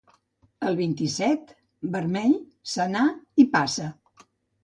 El vint-i-set, vermell, senar i passa.